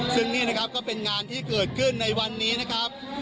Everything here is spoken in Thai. ซึ่งนี่นะครับก็เป็นงานที่เกิดขึ้นในวันนี้นะครับ